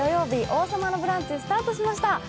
「王様のブランチ」スタートしました。